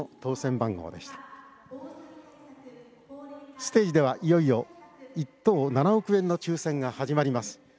ステージではいよいよ１等７億円の抽せんが始まります。